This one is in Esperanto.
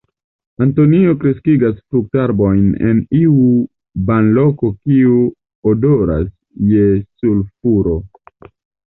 Antonio kreskigas fruktarbojn en iu banloko kiu odoras je sulfuro.